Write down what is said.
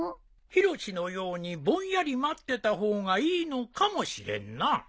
ヒロシのようにぼんやり待ってた方がいいのかもしれんな。